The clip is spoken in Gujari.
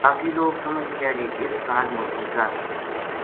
باقی لوک سمجھ گیا جے اس ساگ ما کوئی زہر تھو